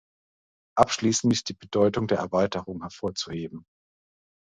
Abschließend ist die Bedeutung der Erweiterung hervorzuheben.